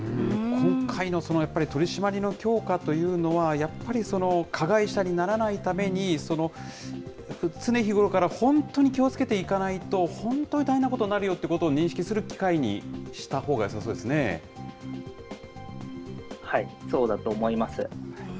今回のそのやっぱり、取締りの強化というのは、やっぱり、加害者にならないために、常日頃から本当に気をつけていかないと、本当に大変なことになるよってことを認識する機会にしたほうがよそうだと思います。